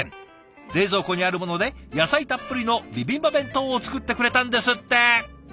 冷蔵庫にあるもので野菜たっぷりのビビンバ弁当を作ってくれたんですって。